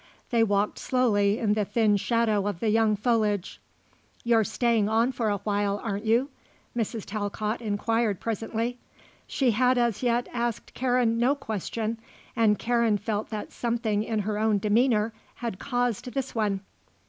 They walked slowly in the thin shadow of the young foliage. "You're staying on for a while, aren't you?" Mrs. Talcott inquired presently. She had as yet asked Karen no question and Karen felt that something in her own demeanour had caused this one.